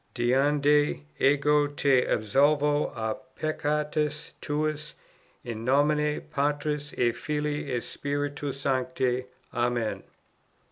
Deinde ego te absolvo à peccatis tuis, in nomine Patris et Filii et Spiritûs Sancti. Amen."